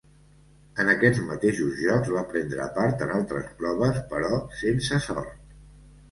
En aquests mateixos Jocs va prendre part en altres proves, però sense sort.